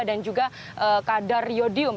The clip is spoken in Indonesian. dan juga kadar iodium